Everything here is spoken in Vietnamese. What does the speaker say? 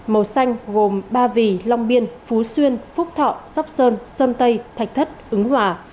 màu xanh gồm ba vì long biên phú xuyên phúc thọ sóc sơn sơn tây thạch thất ứng hòa